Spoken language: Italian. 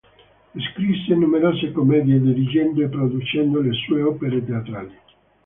Scrisse numerose commedie, dirigendo e producendo le sue opere teatrali.